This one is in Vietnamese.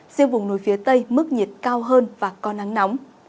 riêng vùng núi phía tây mức nhiệt cao hơn và có nắng nóng